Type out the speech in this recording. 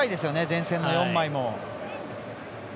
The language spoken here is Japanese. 前線の４枚も。